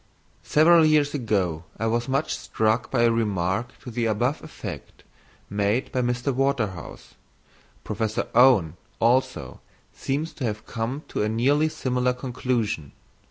_ Several years ago I was much struck by a remark to the above effect made by Mr. Waterhouse. Professor Owen, also, seems to have come to a nearly similar conclusion.